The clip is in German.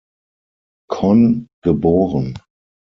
Conn, geboren.